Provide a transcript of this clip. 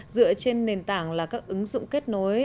dựa trên nền tảng là các ứng dụng kết nối